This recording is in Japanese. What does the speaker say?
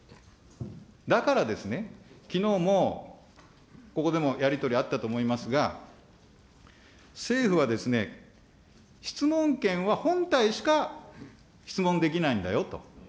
だからですね、きのうもここでもやり取りあったと思いますが、政府は質問権は本体しか質問できないんだよと。